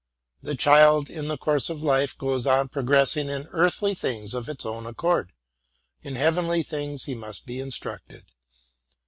The child in the course of life goes on progressing in earthly things of his own accord, in heavenly things he must be instructed.